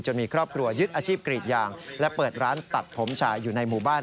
มีครอบครัวยึดอาชีพกรีดยางและเปิดร้านตัดผมชายอยู่ในหมู่บ้าน